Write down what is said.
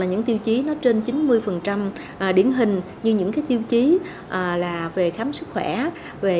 như những tiêu chí về khám sức khỏe